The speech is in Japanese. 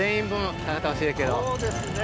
・そうですね・